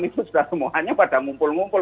itu sudah semuanya pada mumpul mumpul